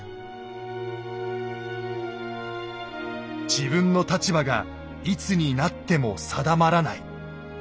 「自分の立場がいつになっても定まらない」。